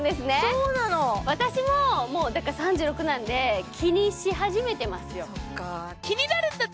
そうなの私ももう３６なんで気にし始めてますよ